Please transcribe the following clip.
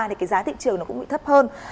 thì cái giá thị trường nó cũng bị thấp hơn